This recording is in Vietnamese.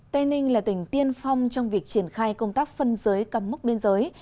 tây ninh là tỉnh tiên phong trong việc triển khai công tác phân giới cắm mốc biên giới